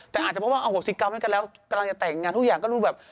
แต่อาจจะเพราะว่าที่กล้าวไหนกันแล้วกำลังจะแต่งงานทุกอย่างก็ดูแบบ